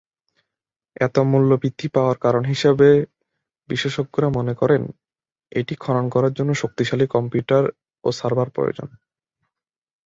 এত মূল্য বৃদ্ধি পাওয়ার কারণ হিসেব বিশেষজ্ঞরা মনে করেন এটি খনন করার জন্য শক্তিশালী কম্পিউটার ও সার্ভার প্রয়োজন।